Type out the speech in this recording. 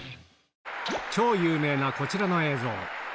超有名なこちらの映像。